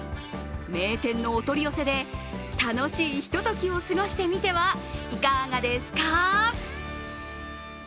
名店のお取り寄せで、楽しいひとときを過ごしてみてはいかがですか？